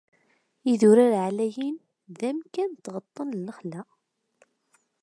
Idurar ɛlayen, d amkan n tɣeṭṭen n lexla.